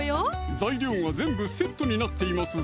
材料が全部セットになっていますぞ